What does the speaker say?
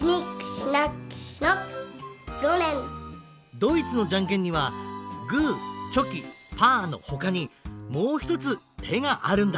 ドイツのじゃんけんにはグーチョキパーのほかにもうひとつてがあるんだ。